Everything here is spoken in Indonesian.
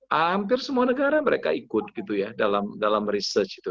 hampir semua negara mereka ikut gitu ya dalam research itu